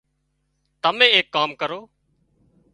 تمين ايڪ ڪام ڪرو